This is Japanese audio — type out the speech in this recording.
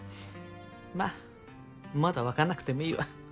まあまだ分かんなくてもいいわ。